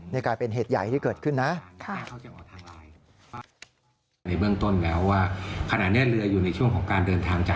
นี่กลายเป็นเหตุใหญ่ที่เกิดขึ้นนะ